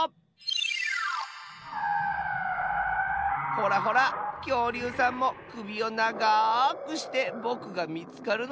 ほらほらきょうりゅうさんもくびをながくしてぼくがみつかるのをまってるッスよ。